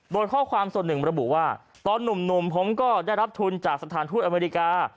โดยข้อความส่วนหนึ่งระบุว่าตอนหนุ่มผมก็ได้รับทุนจากสถานทูตอเมริกา